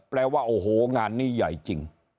แปลว่าโอ้โหงานนี้ใหญ่จริง